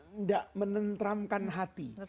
tidak menentramkan hati